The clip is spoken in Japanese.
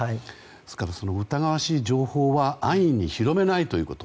ですから、疑わしい情報は安易に広めないということ。